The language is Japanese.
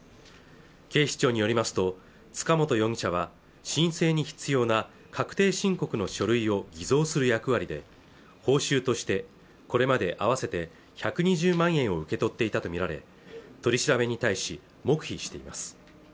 警視庁によりますと塚本容疑者は申請に必要な確定申告の書類を偽造する役割で報酬としてこれまで合わせて１２０万円を受け取っていたと見られ取り調べに対し黙秘しています